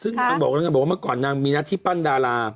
ซึ่งนางบอกว่าเมื่อก่อนนางมีนักที่ปั้นดาราบ